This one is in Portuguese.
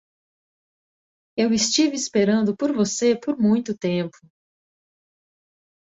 Eu estive esperando por você por muito tempo!